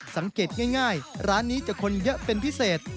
สังเกตง่ายร้านนี้จะคนเยอะเป็นพิเศษ